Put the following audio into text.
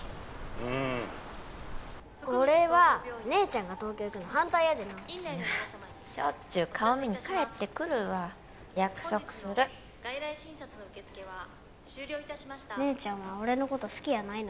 うん俺は姉ちゃんが東京行くの反対やでなしょっちゅう顔見に帰ってくるわ約束する外来診察の受付は終了いたしました姉ちゃんは俺のこと好きやないの？